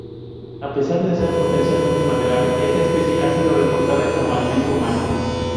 A pesar de ser potencialmente maderable, esta especie ha sido reportada como alimento humano.